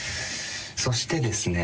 そしてですね